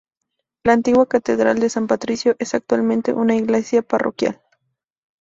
La Antigua Catedral de San Patricio es actualmente una iglesia parroquial.